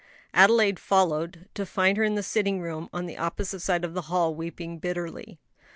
Adelaide followed, to find her in the sitting room on the opposite side of the hall, weeping bitterly.